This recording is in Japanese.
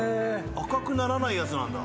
赤くならないやつなんだ。